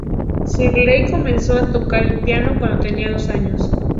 Shirley comenzó a tocar el piano cuando tenía dos años.